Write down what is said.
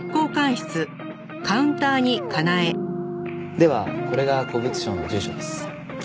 ではこれが古物商の住所です。